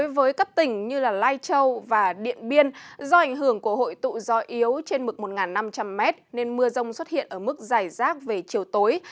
với các tỉnh như lai châu và điện biên do ảnh hưởng của hội tụ gió yếu trên mực một năm trăm linh m nên mưa rông xuất hiện ở mức dài rác về chiều tối